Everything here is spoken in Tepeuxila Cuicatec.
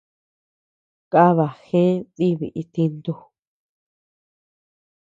Kaba gëe diibi itintu.